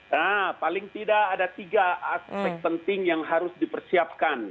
nah paling tidak ada tiga aspek penting yang harus dipersiapkan